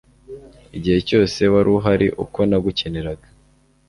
Igihe cyose wari uhari uko nagukeneraga